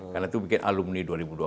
karena itu bikin alumni dua ribu dua belas